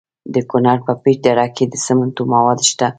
د کونړ په پیچ دره کې د سمنټو مواد شته.